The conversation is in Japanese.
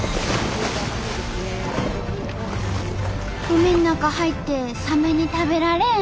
海の中入ってサメに食べられん？